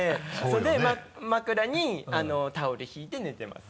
で枕にタオル敷いて寝てます。